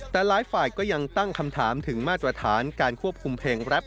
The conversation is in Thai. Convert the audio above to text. แต่หลายฝ่ายก็ยังตั้งคำถามถึงมาตรฐานการควบคุมเพลงแรป